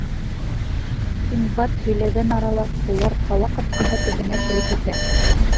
Синдбад һөйләгән арала, улар ҡала ҡапҡаһы төбөнә килеп етә.